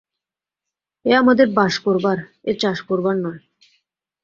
এ আমাদের বাস করবার, এ চাষ করবার নয়।